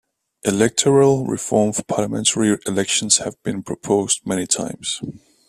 Electoral reform for parliamentary elections have been proposed many times.